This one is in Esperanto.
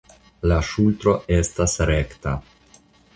La ŝultro estas rekta.